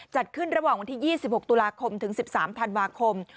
จัดขึ้นระหว่างวันที่๒๖ตุลาคมถึง๑๓ธันวาคม